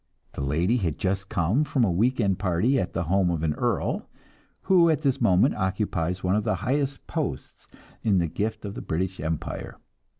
The lady had just come from a week end party at the home of an earl, who at this moment occupies one of the highest posts in the gift of the British Empire.